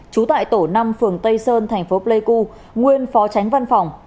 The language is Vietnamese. trú tại tổ năm phường tây sơn thành phố pleiku nguyên phó tránh văn phòng